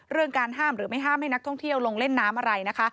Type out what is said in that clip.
เรื่องการห้ามหรือไม่ห้ามให้นักท่องเที่ยวลงเล่นน้ำอะไรนะคะ